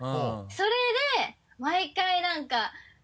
それで毎回なんか。